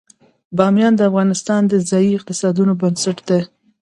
بامیان د افغانستان د ځایي اقتصادونو بنسټ دی.